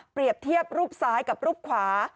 เทียบรูปซ้ายกับรูปขวา